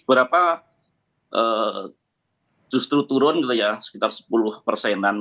berapa justru turun gitu ya sekitar sepuluh persenan